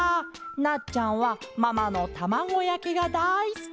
なっちゃんはママのたまごやきがだいすき」。